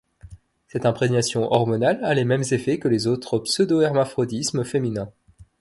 Cette imprégnation hormonale a les mêmes effets que les autres pseudohermaphrodismes féminins.